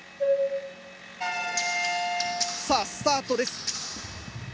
さあスタートです！